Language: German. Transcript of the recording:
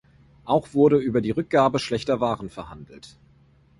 Auch wurde über die Rückgabe schlechter Waren verhandelt.